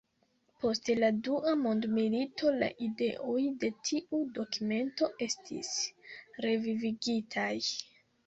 Post la dua mondmilito la ideoj de tiu dokumento estis revivigitaj.